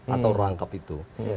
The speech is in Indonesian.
atau rangkap itu